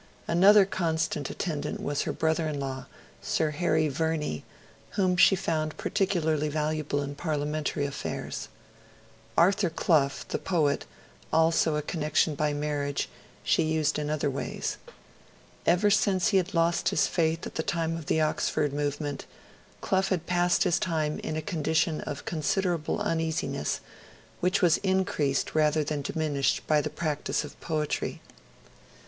Another constant attendant was her brother in law, Sir Harry Verney, whom she found particularly valuable in parliamentary affairs. Arthur Clough, the poet, also a connection by marriage, she used in other ways. Ever since he had lost his faith at the time of the Oxford Movement, Clough had passed his life in a condition of considerable uneasiness, which was increased rather than diminished by the practice of poetry.